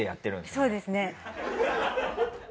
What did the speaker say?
そうですね。